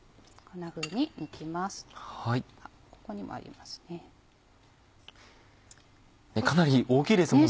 あっここにもありますね。